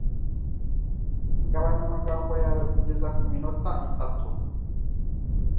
Gabanya amagambo yawe kugeza ku minota itatu.